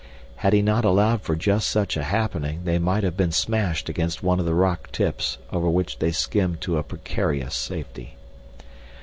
Had he not allowed for just such a happening they might have been smashed against one of the rock tips over which they skimmed to a precarious safety.